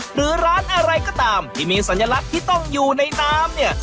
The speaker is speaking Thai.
หรือร้านอะไรก็ตามที่มีสัญลักษณ์ที่ต้องอยู่ในน้ำเนี่ย